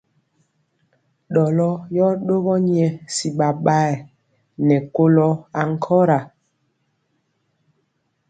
Ɗɔlɔ yɔ ɗogɔ nyɛ si ɓaɓayɛ nɛ kolɔ ankɔra.